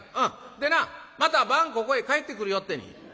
でなまた晩ここへ帰ってくるよってに。